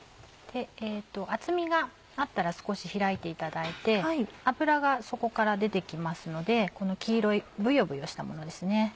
厚みがあったら少し開いていただいて脂がそこから出て来ますのでこの黄色いブヨブヨしたものですね。